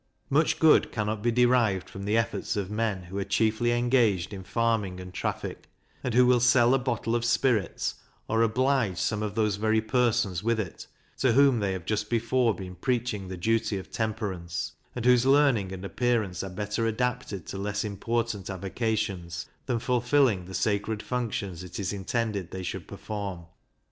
Much good cannot be derived from the efforts of men, who are chiefly engaged in farming and traffic, and who will sell a bottle of spirits, or oblige some of those very persons with it, to whom they have just before been preaching the duty of temperance, and whose learning and appearance are better adapted to less important avocations, than fulfilling the sacred functions it is intended they should perform.